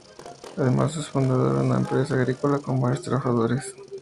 Además, es fundador de una empresa agrícola con varios trabajadores a su cargo.